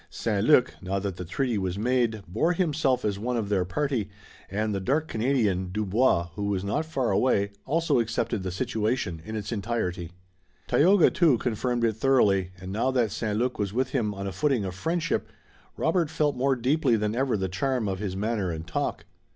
St. Luc, now that the treaty was made, bore himself as one of their party, and the dark Canadian, Dubois, who was not far away, also accepted the situation in its entirety. Tayoga, too, confirmed it thoroughly and now that St. Luc was with him on a footing of friendship Robert felt more deeply than ever the charm of his manner and talk.